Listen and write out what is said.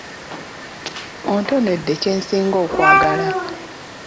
Ontonedde kye nsinga okwagala.